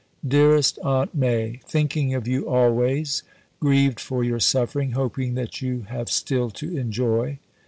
DEAREST AUNT MAI Thinking of you always, grieved for your suffering, hoping that you have still to enjoy.